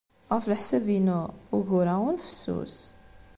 Ɣef leḥsab-inu, ugur-a ur fessus.